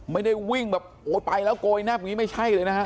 ไม่ได้วิ่งแบบไปแล้วนยาริมาใช่เลยนะฮะถัดหลัง